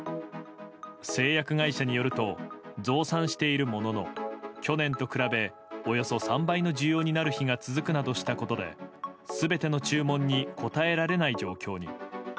製薬会社によると増産しているものの去年と比べ、およそ３倍の需要になる日が続くなどしたことで全ての注文に応えられない状況に。